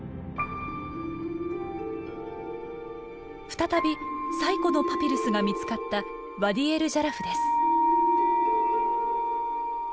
再び最古のパピルスが見つかったワディ・エル＝ジャラフです。